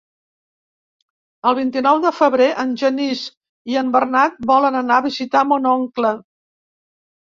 El vint-i-nou de febrer en Genís i en Bernat volen anar a visitar mon oncle.